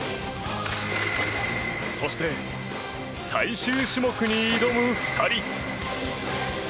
そして、最終種目に挑む２人。